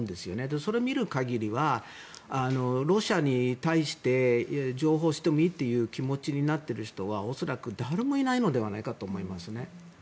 それを見る限りはロシアに対して譲歩してもいいという気持ちになっている人は恐らく誰もいないのではないかと思いますね。